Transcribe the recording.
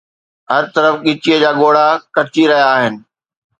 هر طرف ڳچيءَ جا ڳوڙها ڪٽجي رهيا آهن